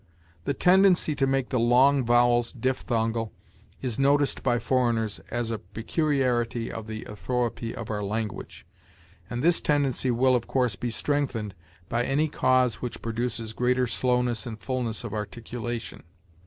The tendency to make the long vowels diphthongal is noticed by foreigners as a peculiarity of the orthoëpy of our language; and this tendency will, of course, be strengthened by any cause which produces greater slowness and fullness of articulation.